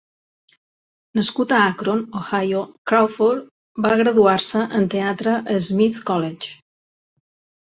Nascut a Akron, Ohio, Crawford va graduar-se en teatre a Smith College.